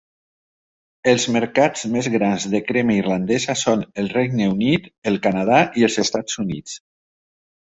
Els mercats més grans de crema irlandesa són el Regne Unit, el Canadà i els Estats Units.